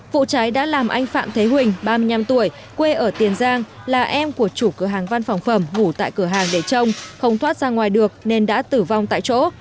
vụ cháy đã làm anh phạm thế huỳnh ba mươi năm tuổi quê ở tiền giang là em của chủ cửa hàng văn phòng phẩm ngủ tại cửa hàng để trông không thoát ra ngoài được nên đã tử vong tại chỗ